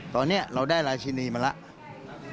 ตอนนี้เราได้ราชินีมาแล้ว